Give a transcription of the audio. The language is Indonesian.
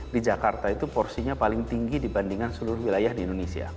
di jakarta itu porsinya paling tinggi dibandingkan seluruh wilayah di indonesia